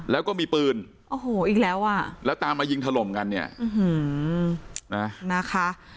แล้วก็มีปืนโอ้โหอีกแล้วอ่ะแล้วตามมายิงถล่มกันเนี่ยนะนะคะ